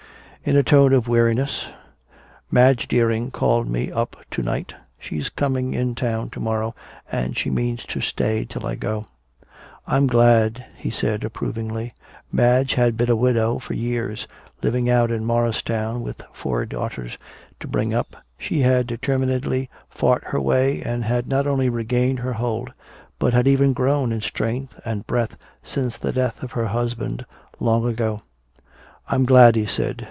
In a tone of weariness. "Madge Deering called me up to night. She's coming in town to morrow, and she means to stay till I go." "I'm glad," he said approvingly. Madge had been a widow for years. Living out in Morristown with four daughters to bring up, she had determinedly fought her way and had not only regained her hold but had even grown in strength and breadth since the death of her husband long ago. "I'm glad," he said.